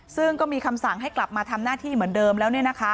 ซึ่งก็มีคำสั่งให้กลับมาทำหน้าที่เหมือนเดิมแล้ว